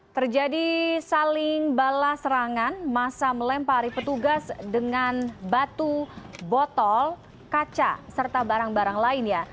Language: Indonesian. terjadi saling balas serangan masa melempari petugas dengan batu botol kaca serta barang barang lainnya